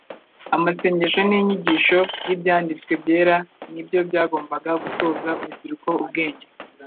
amasengesho n'inyigisho y'Ibyanditswe byera ni byo byagombaga gutoza urubyiruko ubwenge.